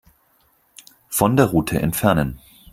Von der Route entfernen.